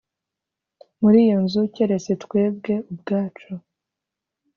muri iyo nzu keretse twebwe ubwacu